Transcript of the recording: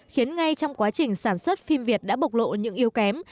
khiến ngay trong quá trình sản xuất phim việt đã bộc lộ những yếu kém